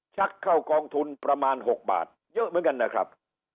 ชักเข้ากองทุนประมาณ๖บาทเยอะเหมือนกันนะครับ